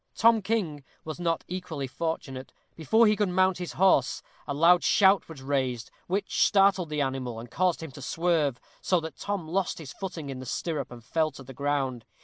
Tom King was not equally fortunate. Before he could mount his horse, a loud shout was raised, which startled the animal, and caused him to swerve, so that Tom lost his footing in the stirrup, and fell to the ground.